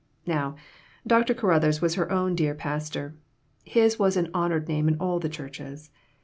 Now, Dr. Caruthers was her own dear old pas tor ; his was an honored name in all the churches.